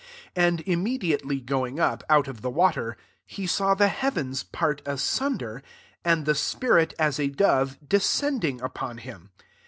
10 And immediately going up, out of the water, he saw the heavens part asunder, and the spirit, as a dove, descending upon him.